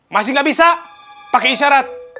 masih nggak bisa pakai isyarat